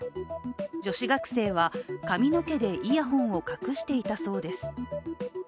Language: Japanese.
女子学生は髪の毛でイヤホンを隠してたそうです。